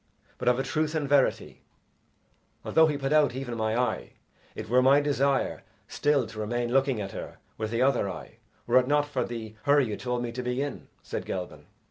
But of a truth and verity, although he put out even my eye, it were my desire still to remain looking at her with the other eye, were it not for the hurry you told me to be in," said Gelban.